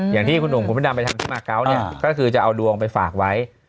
อย่างที่คุณหนุ่มคุณพระดำไปทำที่มาเกาะเนี่ยก็คือจะเอาดวงไปฝากไว้